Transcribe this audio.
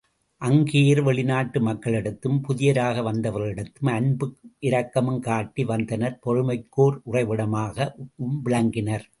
அக்கேயர் வெளிநாட்டு மக்களிடத்தும், புதியராக வந்தவர்களிடத்தும், அன்பும் இரக்கமும் காட்டி வந்தனர் பொறுமைக்கோர் உறைவிடமாகவும் விளங்கினர்.